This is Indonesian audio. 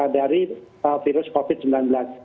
dari virus covid sembilan belas